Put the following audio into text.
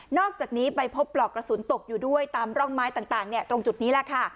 อกจากนี้ไปพบปลอกกระสุนตกอยู่ด้วยตามร่องไม้ต่างตรงจุดนี้แหละค่ะ